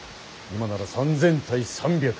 今なら３，０００対３００。